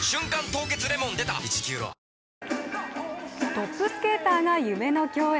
トップスケーターが夢の共演。